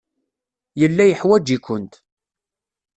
Yella yeḥwaj-ikent.